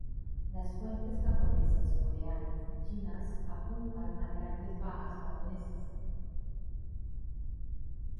Las fuentes japonesas, coreanas y chinas apuntan a grandes bajas japonesas.